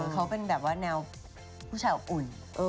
เขาเป็นแบบว่าแนวผู้ชายอบอุ่น